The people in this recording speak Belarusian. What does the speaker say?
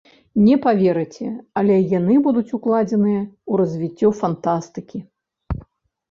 Не паверыце, але яны будуць укладзеныя ў развіццё фантастыкі.